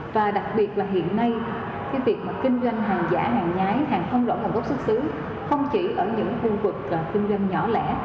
và đặc biệt là hiện nay cái việc mà kinh doanh hàng giả hàng nhái hàng không rõ nguồn gốc xuất xứ không chỉ ở những khu vực kinh doanh nhỏ lẻ